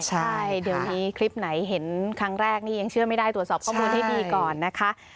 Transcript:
ใช่เดี๋ยวนี้คลิปไหนเห็นครั้งแรกนี่ยังเชื่อไม่ได้ตรวจสอบข้อมูลให้ดีก่อนนะคะ